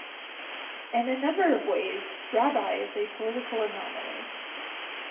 In a number of ways, Rabi is a political anomaly.